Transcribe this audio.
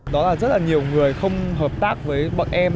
đó là rất là nhiều người không hợp tác với bọn em